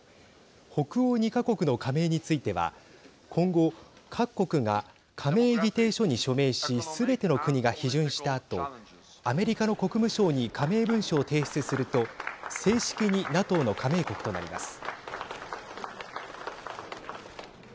北欧２か国の加盟については今後、各国が加盟議定書に署名しすべての国が批准したあとアメリカの国務省に加盟文書を提出すると正式にＮＡＴＯの加盟国となります。